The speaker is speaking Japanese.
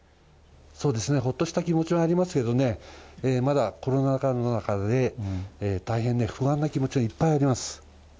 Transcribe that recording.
そうですね、ほっとした気持ちはありますけどね、まだコロナ禍の中で大変不安な気持ちがいっぱいあります。